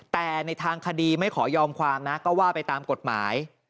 แต่ในทางคดีไม่ขอยอมความนะก็ว่าไปตามกฎหมาย